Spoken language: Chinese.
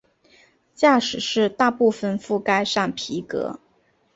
驾驶室大部份覆盖上皮革。